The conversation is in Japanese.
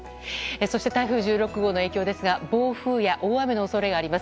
そして台風１６号の影響ですが暴風や大雨の恐れがあります。